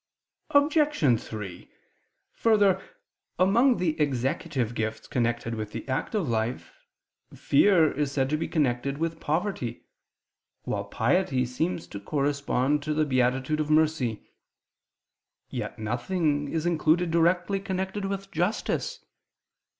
Obj. 3: Further, among the executive gifts connected with the active life, fear is said to be connected with poverty, while piety seems to correspond to the beatitude of mercy: yet nothing is included directly connected with justice.